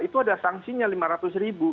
itu ada sanksinya lima ratus ribu